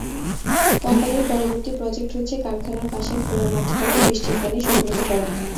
কোম্পানির পরবর্তী প্রজেক্ট হচ্ছে কারখানার পাশের খোলা মাঠ থেকে বৃষ্টির পানি সংগ্রহ করা।